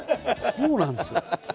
こうなんですよ。